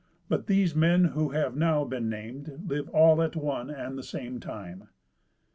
But these men who have now been named lived all at one and the same time.